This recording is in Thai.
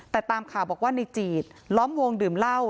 แต่ตามข่าวบอกว่าในจีดล้อมวงดื่มเหล้า